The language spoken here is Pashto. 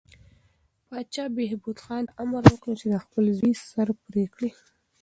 پاچا بهبود خان ته امر وکړ چې د خپل زوی سر پرې کړي.